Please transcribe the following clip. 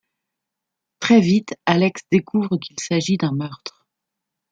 Très vite, Alex découvre qu'il s'agit d'un meurtre...